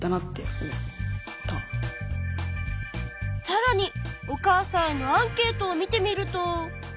さらにお母さんへのアンケートを見てみると。